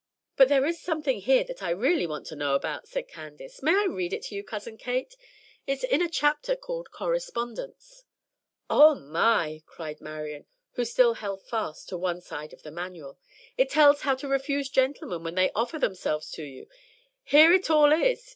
"But there is something here that I really want to know about," said Candace. "May I read it to you, Cousin Kate? It's in a chapter called 'Correspondence.'" "Oh, my!" cried Marian, who still held fast to one side of the Manual. "It tells how to refuse gentlemen when they offer themselves to you. Here it all is.